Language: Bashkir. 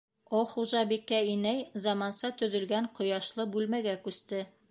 О хужабикә инәй заманса төҙөлгән ҡояшлы бүлмәгә күсте.